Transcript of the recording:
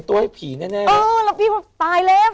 แล้วพี่ฝ้าปลายแหลม